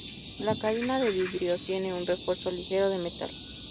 La cabina de vidrio tiene un refuerzo ligero de metal.